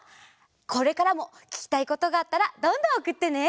これからもききたいことがあったらどんどんおくってね！